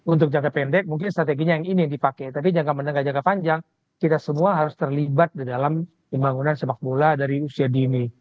untuk jangka pendek mungkin strateginya yang ini dipakai tapi jangka menengah jangka panjang kita semua harus terlibat di dalam pembangunan sepak bola dari usia dini